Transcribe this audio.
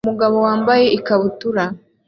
Umugabo wambaye ikabutura